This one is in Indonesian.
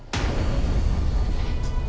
kasian tahu keatna